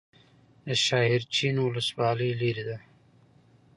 د شاحرچین ولسوالۍ لیرې ده